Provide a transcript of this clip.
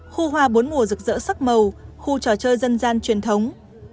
khu hoa bốn mùa rực rỡ sắc màu khu trò chơi dân gian truyền thống